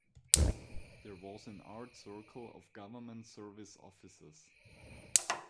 There was an art circle of government service officers.